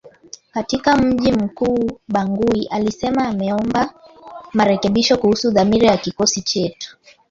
katika mji mkuu Bangui alisema ameomba marekebisho kuhusu dhamira ya kikosi chetu